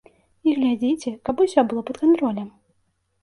І глядзіце, каб усё было пад кантролем.